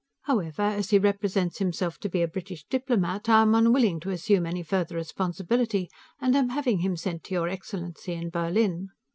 However, as he represents himself to be a British diplomat, I am unwilling to assume any further responsibility, and am having him sent to your excellency, in Berlin.